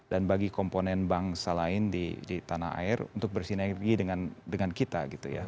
dan bagi komponen bangsa lain di tanah air untuk bersinergi dengan kita